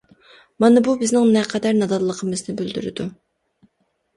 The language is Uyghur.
مانا بۇ بىزنىڭ نەقەدەر نادانلىقىمىزنى بىلدۈرىدۇ.